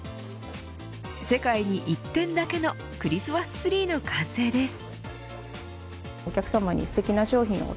世界に１点だけのクリスマスツリーの完成です。